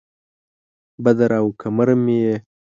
بدر او قمر مې یې